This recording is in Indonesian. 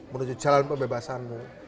menuju jalan pembebasanmu